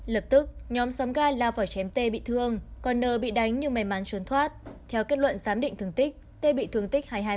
lập tức nhóm somga lao vào chém t bị thương còn n bị đánh nhưng may mắn trốn thoát theo kết luận giám định thương tích t bị thương tích hai mươi hai